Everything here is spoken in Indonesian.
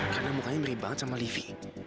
karena mukanya merih banget sama livi